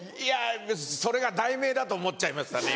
それが題名だと思っちゃいましたね